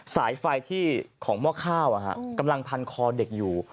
สายไฟที่ของหม้อข้าวกำลังพันคอเด็กอยู่